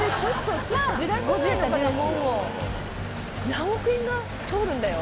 何億円が通るんだよ。